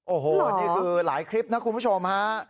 โอ้โหนี่คือหลายคลิปนะคุณผู้ชมฮะ